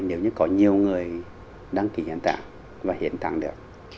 nếu như có nhiều người đăng ký hiến tạng và hiện tại được